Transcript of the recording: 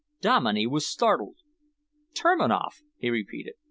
Dominey was startled. "Terniloff?" he repeated.